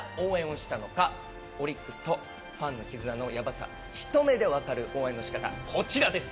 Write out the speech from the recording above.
オリックスとファンの絆のヤバさひと目でわかる応援の仕方こちらです！